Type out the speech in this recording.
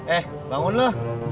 eh bangun lu